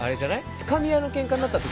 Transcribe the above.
つかみ合いのケンカになった時。